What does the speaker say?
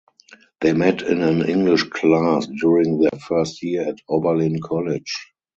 They met in an English class during their first year at Oberlin College.